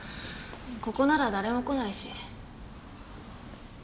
ここなら誰も来ないし。